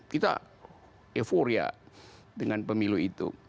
kita euforia dengan pemilu itu